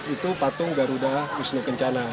itu patung garuda wisnu kencana